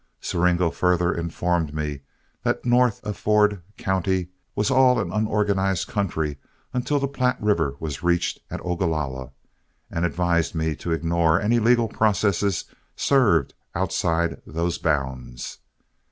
Siringo further informed me that north of Ford County was all an unorganized country until the Platte River was reached at Ogalalla, and advised me to ignore any legal process served outside those bounds.